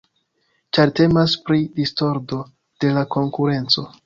Ĉar temas pri distordo de la konkurenco.